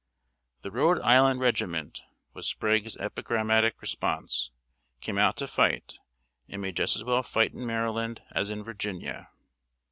"The Rhode Island regiment," was Sprague's epigrammatic response, "came out to fight, and may just as well fight in Maryland as in Virginia."